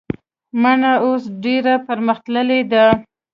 مڼه اوس ډیره پرمختللي ده